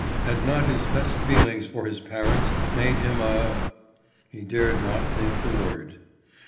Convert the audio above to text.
Had not his best feelings for his parents made him a He dared not think the word.